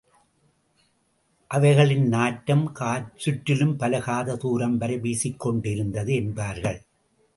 அவைகளின் நாற்றம் சுற்றிலும் பல காத தூரம்வரை வீசிக் கொண்டிருந்தது என்பார்கள்.